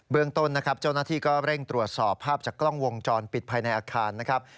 ต้นนะครับเจ้าหน้าที่ก็เร่งตรวจสอบภาพจากกล้องวงจรปิดภายในอาคารนะครับ